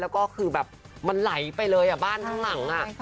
แล้วก็คือแบบมันไหลไปเลยบ้านทั้งหลัง